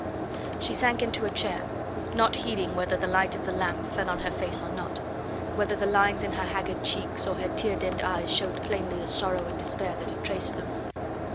She sank into a chair, not heeding whether the light of the lamp fell on her face or not, whether the lines in her haggard cheeks, or her tear dimmed eyes showed plainly the sorrow and despair that had traced them.